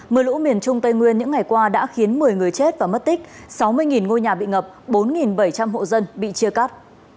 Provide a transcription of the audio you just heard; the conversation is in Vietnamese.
mưa lũ miền trung tây nguyên những ngày qua đã khiến một mươi người chết và mất tích sáu mươi ngôi nhà bị ngập bốn bảy trăm linh hộ dân bị chia cắt